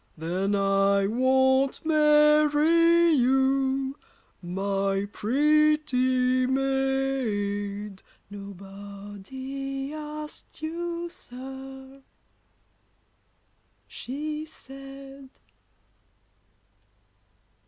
Then I won't marry you, my pretty maid. Nobody asked you, sir, she said.